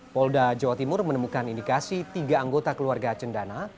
polda jawa timur menemukan indikasi tiga anggota keluarga cendana